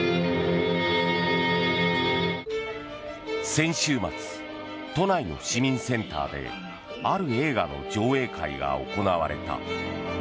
先週末、都内の市民センターである映画の上映会が行われた。